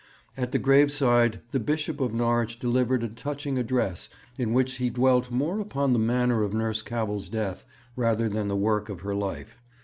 At the graveside the Bishop of Norwich delivered a touching address, in which he dwelt more upon the manner of Nurse Cavell's death rather than the work of her life.